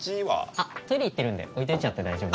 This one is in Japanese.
あっトイレ行ってるんで置いといちゃって大丈夫です。